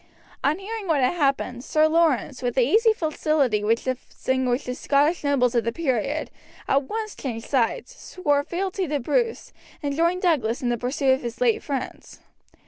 Upon hearing what had happened, Sir Laurence, with the easy facility which distinguished the Scottish nobles of the period, at once changed sides, swore fealty to Bruce, and joined Douglas in the pursuit of his late friends.